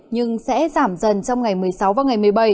nhưng sẽ giảm dần trong ngày một mươi sáu và ngày một mươi bảy